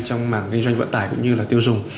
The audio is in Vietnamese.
trong mảng kinh doanh vận tải cũng như là tiêu dùng